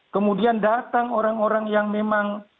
kemudian datang orang orang yang memang